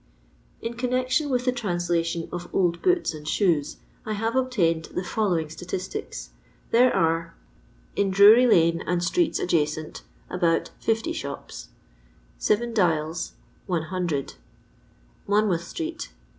In connection with the translation of old boots and shoes, I have obtained the following statistics. There In Drary4sne and streets adjaceat, about .... fiO shops. SeTcn dlals do. do. .... 100 do. MoDinouth stTeet do.